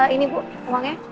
ini bu uangnya